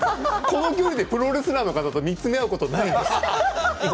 この距離でプロレスラーの方と見つめ合うことないです。